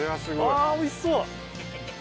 あおいしそう！